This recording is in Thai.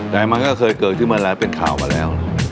แต่มันก็เคยเกิดขึ้นมาหลายเป็นข่าวมาแล้ว